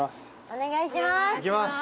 お願いします。